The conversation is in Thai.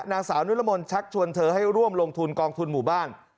นางสาวนุรมนชักชวนเธอให้ร่วมลงทุนกองทุนหมู่บ้าน